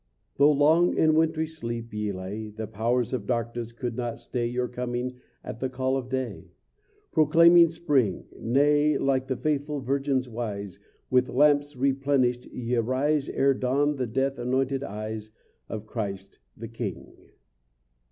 Though long in wintry sleep ye lay, The powers of darkness could not stay Your coming at the call of day, Proclaiming spring. Nay, like the faithful virgins wise, With lamps replenished ye arise Ere dawn the death anointed eyes Of Christ, the king.